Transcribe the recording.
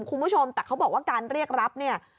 คุณผู้ชมแต่เขาบอกว่าการเรียกรับเนี่ย